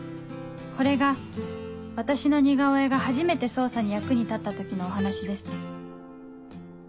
これが私の似顔絵が初めて捜査に役に立った時のお話です